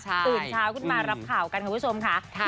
ตื่นเช้าขึ้นมารับข่าวกันคุณผู้ชมค่ะ